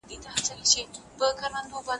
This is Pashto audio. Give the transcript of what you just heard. د پښتو ژبي مینه په زړونو کي وکرل سوه.